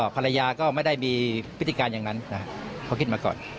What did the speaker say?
ภรรยาก็ไม่ได้มีพิธีการอย่างนั้นเขาคิดมาก่อน